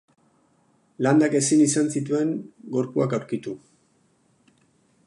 Landak ezin izan zituen gorpuak aurkitu.